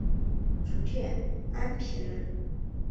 涿郡安平人。